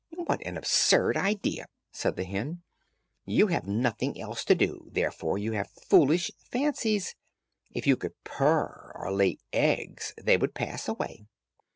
"What an absurd idea," said the hen. "You have nothing else to do, therefore you have foolish fancies. If you could purr or lay eggs, they would pass away."